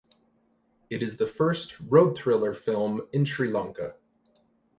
It is the first road thriller film in Sri Lanka.